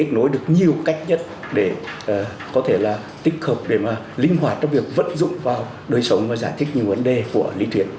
học sinh sẽ có được nhiều cách nhất để có thể là tích hợp để mà linh hoạt trong việc vận dụng vào đời sống và giải thích những vấn đề của lý truyền